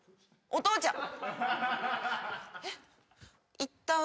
お父ちゃん。